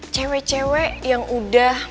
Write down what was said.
cewek cewek yang udah